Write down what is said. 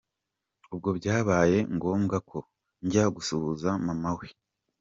Ubwo byabaye ngombwa ko njya gusuhuza maman we.